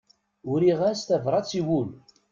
Uriɣ-as tabrat i wul.